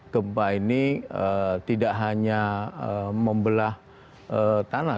gempa ini tidak hanya membelah tanah